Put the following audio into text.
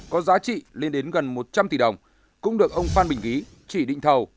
có giá trị lên đến gần một trăm linh tỷ đồng cũng được ông phan bình ý chỉ định thầu